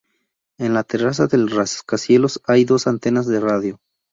En la terraza del rascacielos hay dos antenas de radio.